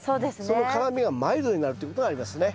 その辛みがマイルドになるということがありますね。